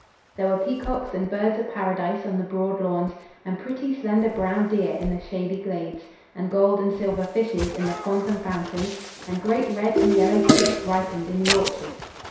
There were peacocks and birds of paradise on the broad lawns, and pretty slender brown deer in the shady glades, and gold and silver fishes in the ponds and fountains, and great red and yellow fruits ripened in the orchards.